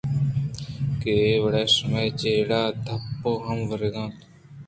کہ اے وڑ شُمے جیڑہ ءَ دپ ہم وَرَگ ءَ اِنت